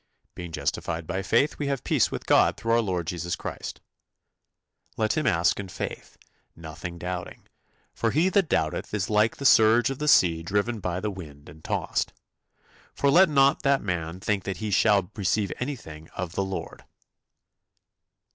" "Being justified by faith, we have peace with God through our Lord Jesus Christ." "Let him ask in faith, nothing doubting: for he that doubteth is like the surge of the sea driven by the wind and tossed. For let not that man think that he shall receive anything of the Lord."